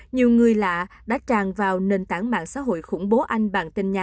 nhiều người lạ đã tràn vào nền tảng mạng xã hội khủng bố anh bằng tình nhân